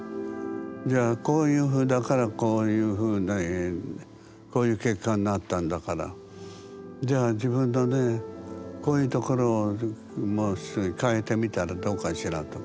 じゃあこういうふうだからこういうふうにこういう結果になったんだからじゃあ自分のねこういうところをもう少し変えてみたらどうかしらとか。